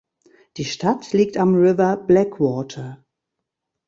Die Stadt liegt am River Blackwater.